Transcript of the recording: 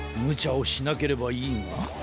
むちゃをしなければいいが。